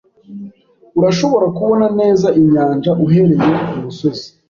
Urashobora kubona neza inyanja uhereye kumusozi.